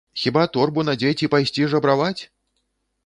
Хіба торбу надзець і пайсці жабраваць?